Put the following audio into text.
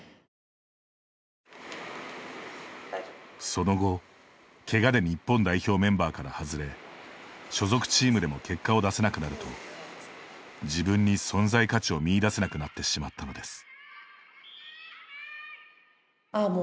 その後けがで日本代表メンバーから外れ所属チームでも結果を出せなくなると自分に存在価値を見いだせなくなってしまったのです。